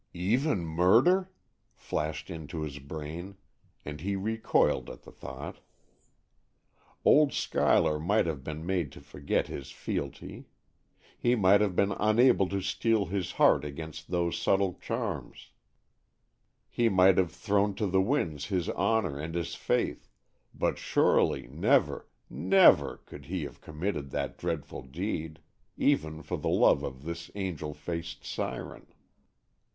"Even murder?" flashed into his brain, and he recoiled at the thought. Old Schuyler might have been made to forget his fealty; he might have been unable to steel his heart against those subtle charms; he might have thrown to the winds his honor and his faith; but surely, never, never, could he have committed that dreadful deed, even for love of this angel faced siren.